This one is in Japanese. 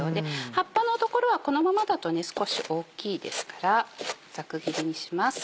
葉っぱの所はこのままだと少し大きいですからざく切りにします。